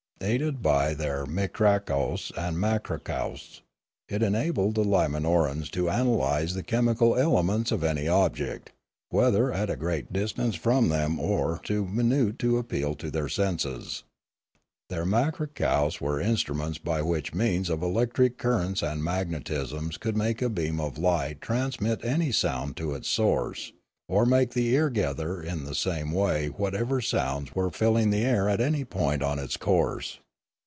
Aided by their mikrakousts and makrakousts, it enabled the Limanorans to analyse the chemical elements of any object, whether at a great distance from them or too minute to appeal to their senses. Their makrakousts were instruments which by means of electric currents and magnetism could make a beam of light transmit any sound to its source, or make the ear gather in the same way whatsoever sounds were filling the air at any point on its course.